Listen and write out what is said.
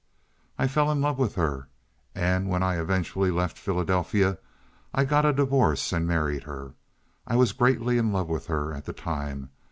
I fell in love with her, and when I eventually left Philadelphia I got a divorce and married her. I was greatly in love with her at the time.